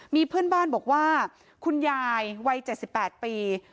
มีเพื่อนบ้านบอกว่าคุณยายวัย๗๘ปี